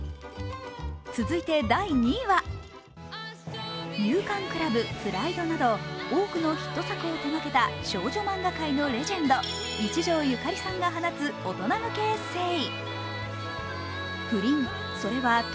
続いて第２位は「有閑倶楽部」「プライド」など多くのヒット作を手がけた少女漫画界のレジェンド一条ゆかりさんが放つ大人向けエッセー。